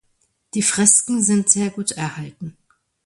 Die Fresken sind sehr gut erhalten.